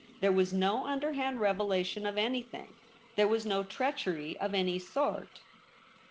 There was no underhand revelation of anything. There was no treachery of any sort.'